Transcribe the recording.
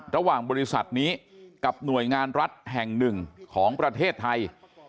ระหว่างบริษัทนี้กับหน่วยงานรัฐแห่งหนึ่งของประเทศไทย